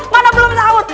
mana belum sahur